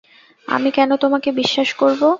আমি কেন তোমাকে বিশ্বাস করব?